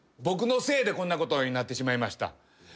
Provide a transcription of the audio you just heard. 「僕のせいでこんなことになってしまいました」